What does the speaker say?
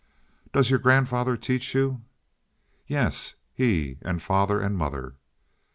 "Does your grandfather teach you?" "Yes he, and father, and mother."